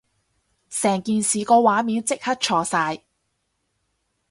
成件事個畫面即刻錯晒